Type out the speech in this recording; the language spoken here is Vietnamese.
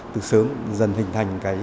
từ sớm dần hình thành